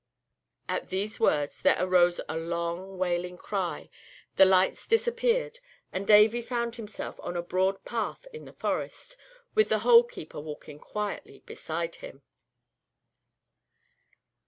At these words there arose a long, wailing cry, the lights disappeared, and Davy found himself on a broad path in the forest, with the Hole keeper walking quietly beside him.